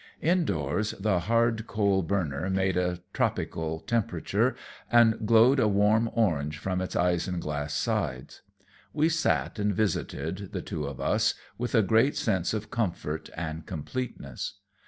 Indoors the hard coal burner made a tropical temperature, and glowed a warm orange from its isinglass sides. We sat and visited, the two of us, with a great sense of comfort and completeness.